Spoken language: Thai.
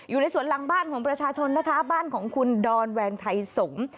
อยู่ในสวนหลังบ้านของประชาชนนะคะบ้านของคุณดอนแวงไทยสงฆ์